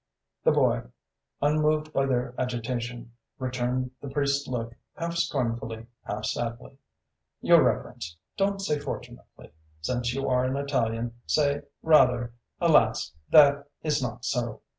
The boy, unmoved by their agitation, returned the priest's look half scornfully, half sadly. "Your reverence, don't say fortunately. Since you are an Italian, say rather, 'Alas, that it is not so!'"